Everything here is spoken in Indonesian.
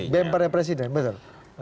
bempernya presiden betul